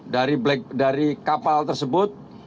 dari kapal tersebut